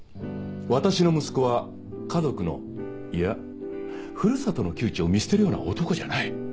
私の息子は家族のいやふるさとの窮地を見捨てるような男じゃない。